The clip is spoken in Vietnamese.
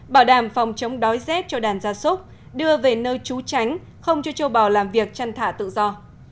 bảo đảm phòng chống đói rét cho đàn gia súc đưa về nơi trú tránh không cho châu bò làm việc chăn thả tự do